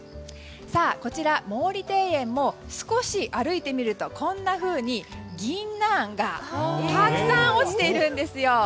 こちら、毛利庭園も少し歩いてみるとこんなふうにギンナンがたくさん落ちているんですよ。